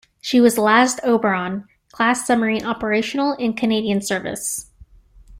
She was the last "Oberon"-class submarine operational in Canadian service.